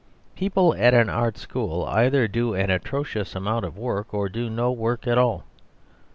People at an art school either do an atrocious amount of work or do no work at all.